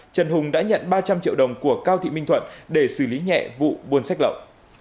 trần hùng đã nhận ba trăm linh triệu đồng của cao thị minh thuận để xử lý nhẹ vụ buôn sách lậu